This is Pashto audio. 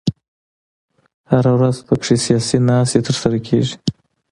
هره ورځ په کې سیاسي ناستې تر سره کېږي.